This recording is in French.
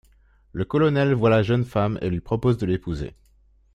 Le colonel voit la jeune femme et lui propose de l'épouser.